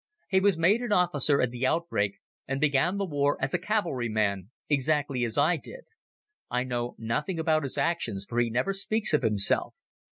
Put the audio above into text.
He was made an officer at the outbreak and began the war as a cavalry man exactly as I did. I know nothing about his actions for he never speaks of himself.